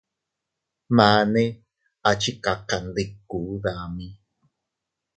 Mane a chikakandiku dami.